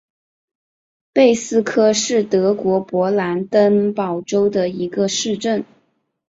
贝斯科是德国勃兰登堡州的一个市镇。